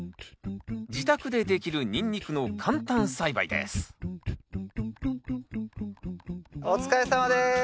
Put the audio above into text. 自宅でできるニンニクの簡単栽培ですお疲れさまです。